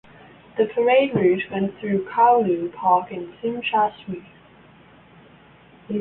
The parade route went through Kowloon Park in Tsim Sha Tsui.